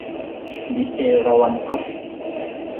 ดิ เอราวัณ กรุ๊ป